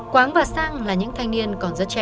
quáng và sang là những thanh niên còn rất trẻ